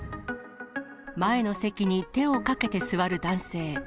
前の席に手をかけて座る男性。